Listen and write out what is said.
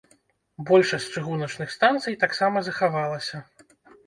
Большасць чыгуначных станцый таксама захавалася.